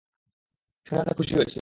শুনে অনেক খুশি হয়েছি।